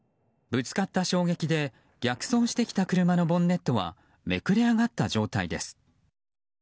ぶつかった衝撃で逆走してきた車のボンネットはめくれ上がった状態です。